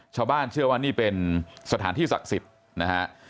ชาวบ้านเชื่อว่านี่เป็นสถานที่ศักดิ์สิทธิ์นะฮะ